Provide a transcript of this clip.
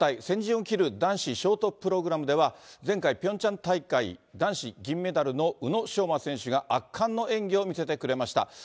先陣を切る男子ショートプログラムでは、前回、ピョンチャン大会男子銀メダルの宇野昌磨選手が圧巻の演技を見せてくれました。